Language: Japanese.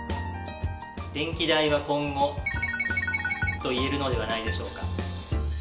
電気代は今後×××といえるのではないでしょうか。